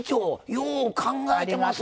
よう考えてますな！